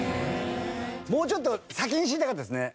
もうちょっと先に知りたかったですね。